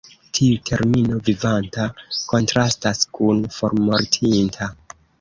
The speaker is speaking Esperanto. Tiu termino "vivanta" kontrastas kun "formortinta".